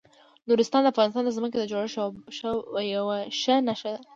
نورستان د افغانستان د ځمکې د جوړښت یوه ښه نښه ده.